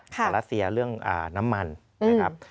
รัสเซียเรื่องน้ำมันนะครับ